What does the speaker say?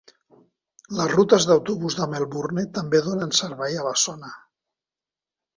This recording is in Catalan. Les rutes d'autobús de Melbourne també donen servei a la zona.